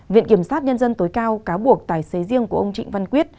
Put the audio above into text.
viện kiểm sát nhân dân tối cao cáo buộc tài xế riêng của ông trịnh văn quyết